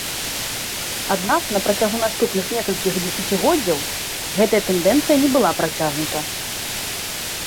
Аднак на працягу наступных некалькіх дзесяцігоддзяў гэтая тэндэнцыя не была працягнута.